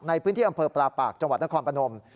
ในพื้นที่อำเภอปลาปากจังหวัดนครพนม